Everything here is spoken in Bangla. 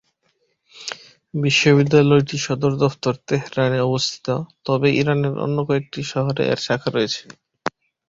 বিশ্ববিদ্যালয়টির সদর দফতর তেহরানে অবস্থিত তবে ইরানের অন্যান্য কয়েকটি শহরে এর শাখা রয়েছে।